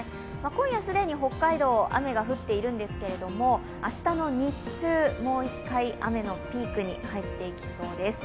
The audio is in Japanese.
今夜既に北海道、雨が降っているんですけれども、明日の日中、もう一回雨のピークに入っていきそうです。